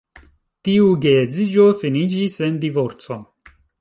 Tiu geedziĝo finiĝis en divorco.